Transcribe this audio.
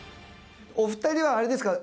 お二人はあれですか？